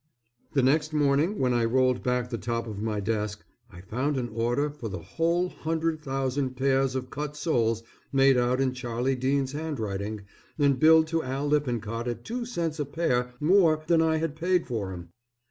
The next morning, when I rolled back the top of my desk, I found an order for the whole hundred thousand pairs of cut soles made out in Charlie Dean's handwriting and billed to Al Lippincott at two cents a pair more than I had paid for 'em.